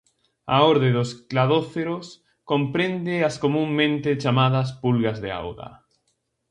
A orde dos cladóceros comprende as comunmente chamadas pulgas de auga.